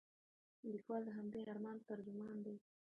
لیکوال د همدې ارمان ترجمان دی.